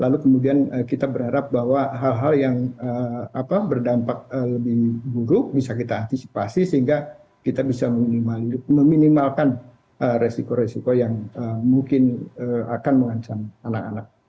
lalu kemudian kita berharap bahwa hal hal yang berdampak lebih buruk bisa kita antisipasi sehingga kita bisa meminimalkan resiko resiko yang mungkin akan mengancam anak anak